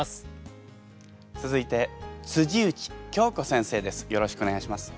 続いて内京子先生です。